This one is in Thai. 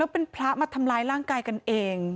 เป็นพระมาทำร้ายร่างกายกันเอง